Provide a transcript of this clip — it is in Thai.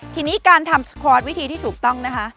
ทีนี้การทำสคอร์ตวิธีที่ถูกต้องนะคะ